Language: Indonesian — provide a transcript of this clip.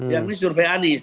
yang ini survei anies